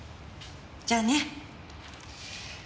じゃあね。